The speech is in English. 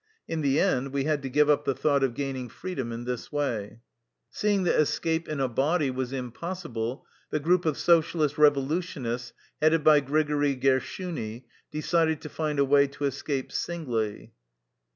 In the end we had to give up the thought of gaining freedom in this way. Seeing that escape in a body was impossi ble, the group of Socialist Revolutionists headed by Grigori Gershuni^ decided to find a way to escape singly.